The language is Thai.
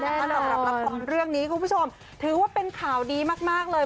สำหรับละครเรื่องนี้คุณผู้ชมถือว่าเป็นข่าวดีมากเลย